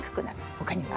他には？